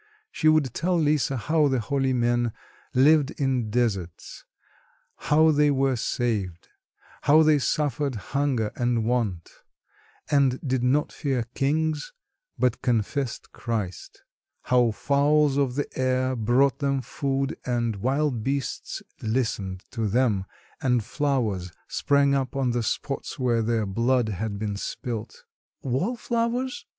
She would tell Lisa how the holy men lived in deserts, how they were saved, how they suffered hunger and want, and did not fear kings, but confessed Christ; how fowls of the air brought them food and wild beasts listened to them, and flowers sprang up on the spots where their blood had been spilt. "Wall flowers?"